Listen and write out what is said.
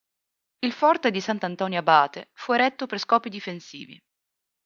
Il "Forte di Sant'Antonio abate" fu eretto per scopi difensivi.